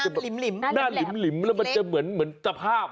หน้าหลิมแล้วมันจะเหมือนสภาพ